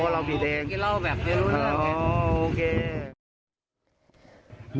อ๋อเราผิดเอง